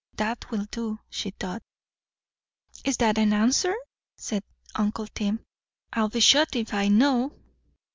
That will do, she thought. "Is that an answer?" said uncle Tim. "I'll be shot if I know."